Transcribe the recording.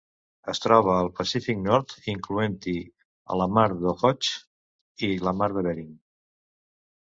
Es troba al Pacífic nord, incloent-hi la Mar d'Okhotsk i la Mar de Bering.